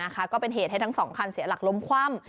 ก็เป็นเหตุให้ทั้งสองคันเสียหลักล้มคว่ำ